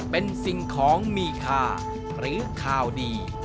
เป็นสิ่งของมีค่าหรือข่าวดี